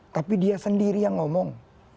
tapi dia sendiri yang ngomong